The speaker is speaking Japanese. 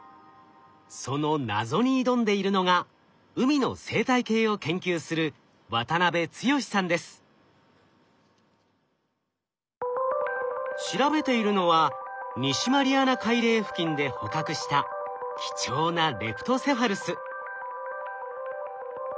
その謎に挑んでいるのが海の生態系を研究する調べているのは西マリアナ海嶺付近で捕獲した貴重なレプトセファルス。